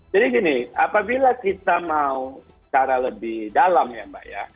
jadi gini apabila kita mau secara lebih dalam ya mbak ya